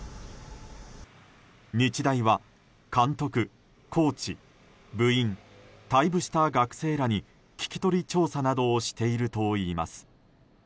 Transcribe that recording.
日大は監督、コーチ、部員退部した学生らに聞き取り調査などをしているといいます。